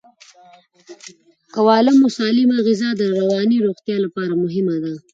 د کولمو سالمه غذا د رواني روغتیا لپاره مهمه ده.